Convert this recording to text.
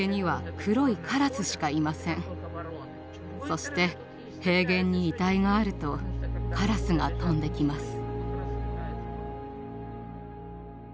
そして平原に遺体があるとカラスが飛んできます。